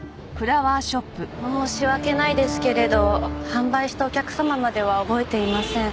申し訳ないですけれど販売したお客様までは覚えていません。